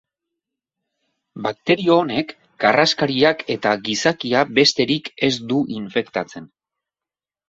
Bakterio honek karraskariak eta gizakia besterik ez du infektatzen.